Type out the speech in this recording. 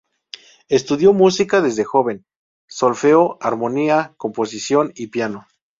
Estudió música desde joven: solfeo, armonía, composición y piano.